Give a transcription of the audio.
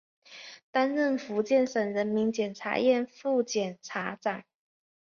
担任福建省人民检察院副检察长。